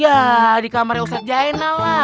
ya di kamarnya ustadz jainal lah